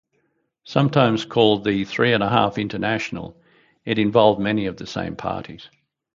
Sometimes called the "Three-and-a-Half International", it involved many of the same parties.